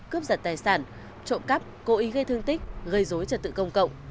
cướp giật tài sản trộm cắp cố ý gây thương tích gây dối trật tự công cộng